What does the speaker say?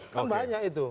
kan banyak itu